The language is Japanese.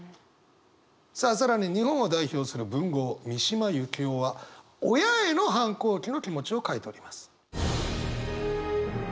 さあ更に日本を代表する文豪三島由紀夫は親への反抗期の気持ちを書いております。